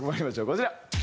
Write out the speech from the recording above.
こちら。